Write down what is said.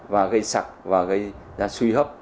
và gây sặc và gây ra suy hấp